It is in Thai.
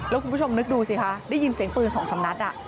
แล้วคุณผู้ชมนึกดูสิค่ะได้ยินเสียงปืนสองสำนัดอ่ะ